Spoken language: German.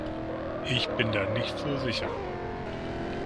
Ich bin da nicht so sicher.